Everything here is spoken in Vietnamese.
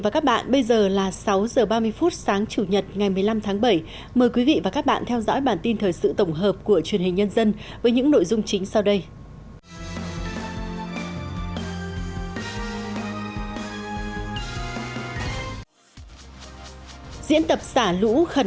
các bạn hãy đăng ký kênh để ủng hộ kênh của chúng mình nhé